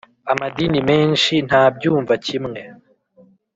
amadini menshi ntabyumva kimwe